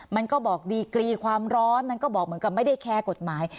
มันก็บอกดีกรีความร้อนมันก็บอกเหมือนกับไม่ได้แคร์กฎหมาย